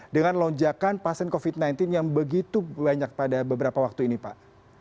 dengan lonjakan pasien covid sembilan belas yang begitu banyak pada beberapa waktu ini pak